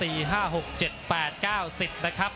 รอคะแนนจากอาจารย์สมาร์ทจันทร์คล้อยสักครู่หนึ่งนะครับ